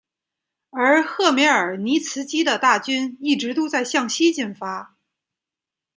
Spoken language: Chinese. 而赫梅尔尼茨基的大军一直都在向西进发。